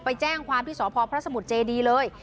ไปแจ้งความที่สพพระสมุทรเจดีเลย